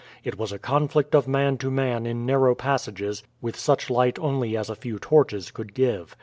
It was a conflict of man to man in narrow passages, with such light only as a few torches could give.